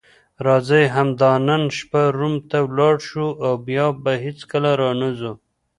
راځئ همدا نن شپه روم ته ولاړ شو او بیا به هیڅکله نه راځو.